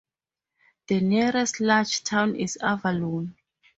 The nearest large town is Avallon.